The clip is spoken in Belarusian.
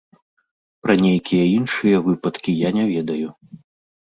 Пра нейкія іншыя выпадкі я не ведаю.